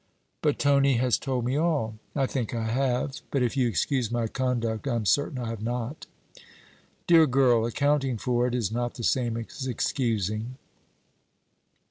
'But Tony has told me all.' 'I think I have. But if you excuse my conduct, I am certain I have not.' 'Dear girl, accounting for it, is not the same as excusing.'